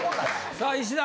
さあ石田。